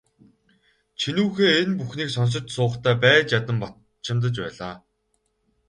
Чинүүхэй энэ бүхнийг сонсож суухдаа байж ядан бачимдаж байлаа.